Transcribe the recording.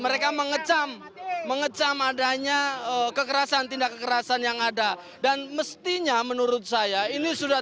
mereka mengecam adanya kekerasan tindak kekerasan yang ada dan mestinya menurut saya